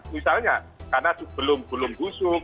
misalnya karena belum gusuk